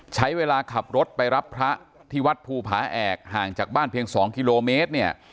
ใช้เวลาขับรถไปรับพระที่วัดภูผาแอกห่างจากบ้านเพียง๒กิโลเมตรเนี่ย